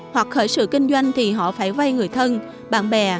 hoặc khởi sự kinh doanh thì họ phải vay người thân bạn bè